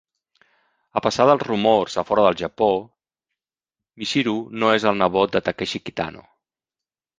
A pesar dels rumors a fora del Japó, Michiru no és el nebot de Takeshi Kitano.